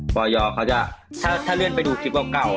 อยเขาจะถ้าเลื่อนไปดูคลิปเก่า